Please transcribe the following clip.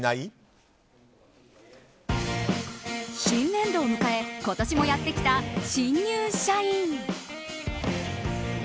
新年度を迎え今年もやってきた新入社員。